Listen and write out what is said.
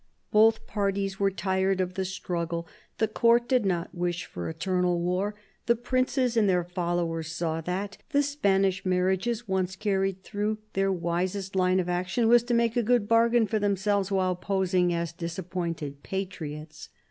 Both parties were tired of the struggle. The Court did not wish for eternal war : the princes and their followers saw that, the Spanish marriages once carried through, their wisest line of action was to make a good bargain for themselves while posing as disappointed patriots.